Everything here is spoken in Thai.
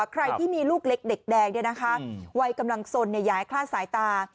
ใครที่มีลูกเล็กเด็กแดงเนี่ยนะคะวัยกำลังส่วนเนี่ยย้ายคลาดสายตา